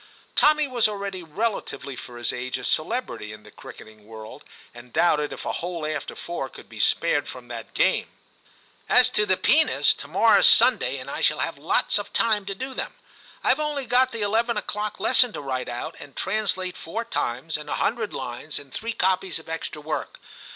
Tommy was already relatively for his age a celebrity in the cricket ing world, and doubted if a whole after four could be spared from that game. * As to the poenas, to morrow's Sunday, and I shall have lots of time to do them. I've only got the eleven o'clock lesson to write out and translate four times, and a hundred lines, and VII TIM 149 three copies of extra work.